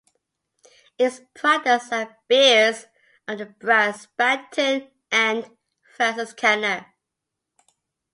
Its products are beers of the brands "Spaten" and "Franziskaner".